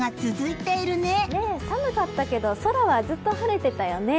寒かったけど空はずっと晴れてたよね。